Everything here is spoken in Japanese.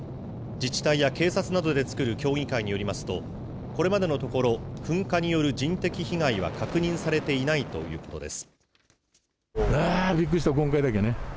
自治体や警察などで作る協議会によりますと、これまでのところ、噴火による人的被害は確認されていないということです。